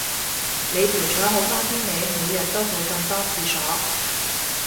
你條腸好返啲未，每日都去咁多廁所